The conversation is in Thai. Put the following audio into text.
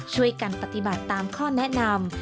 ช่วยกันปฏิบัติตามข้อแนะนำ